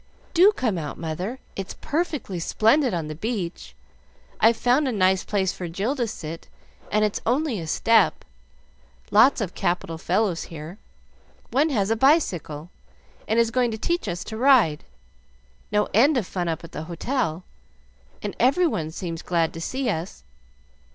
"Do come out, mother, it's perfectly splendid on the beach! I've found a nice place for Jill to sit, and it's only a step. Lots of capital fellows here; one has a bicycle, and is going to teach us to ride. No end of fun up at the hotel, and every one seems glad to see us.